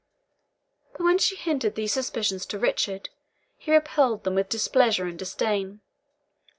But when she hinted these suspicions to Richard he repelled them with displeasure and disdain.